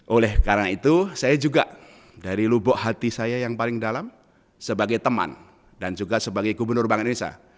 oleh karena itu saya juga dari lubuk hati saya yang paling dalam sebagai teman dan juga sebagai gubernur bank indonesia